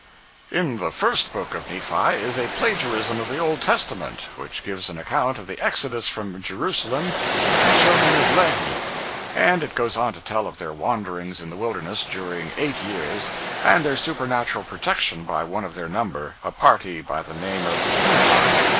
In the first book of Nephi is a plagiarism of the Old Testament, which gives an account of the exodus from Jerusalem of the "children of Lehi"; and it goes on to tell of their wanderings in the wilderness, during eight years, and their supernatural protection by one of their number, a party by the name of Nephi.